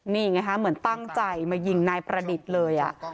นี้แหละค่ะเหมือนตั้งใจมายิงนายประณิตเลยะ